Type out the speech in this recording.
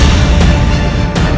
ketika kanda menang kanda menang